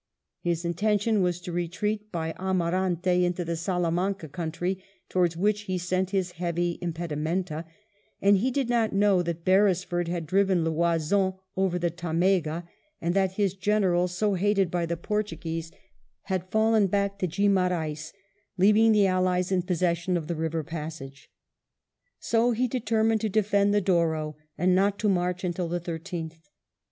His intention was to retreat by Amarante into the Salamanca country, towards which he sent his heavy im pedimenta; and he did not know that Beresford had driven Loison over the Tamega, and that this General, so hated by the Portuguese, had fallen back to Guimar aens, leaving the Allies in possession of the river passage. So he determined to defend the Douro, and not to march until the 13th.